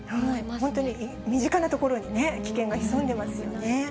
本当に身近なところに危険が潜んでますよね。